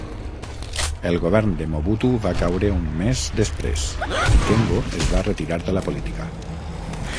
El govern de Mobutu va caure un mes després i Kengo es va retirar de la política.